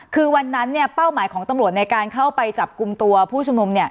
คือวันนั้นเป้าหมายของตำรวจในการเข้าไปจับกลุ่มตัวผู้ชุมนุม